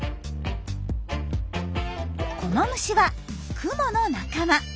この虫はクモの仲間。